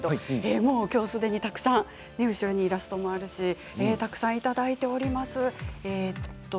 今日たくさん後ろにイラストもあるし、たくさんいただいております。